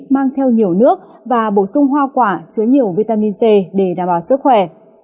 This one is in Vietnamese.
mang theo nhiều nước và bổ sung hoa quả chứa nhiều vitamin c để đảm bảo sức khỏe